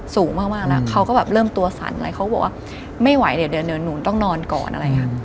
สูงมากแล้วเขาก็แบบเริ่มตัวสั่นแล้วเขาก็บอกว่าไม่ไหวเดี๋ยวหนูต้องนอนก่อนอะไรอย่างนี้